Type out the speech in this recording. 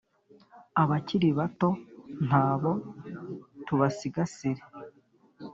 abakiri bato ntabo tubasigasire